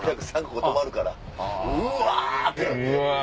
ここ泊まるからうわ！ってなって。